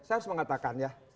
saya harus mengatakan ya